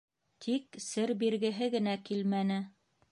Тик сер биргеһе генә килмәне.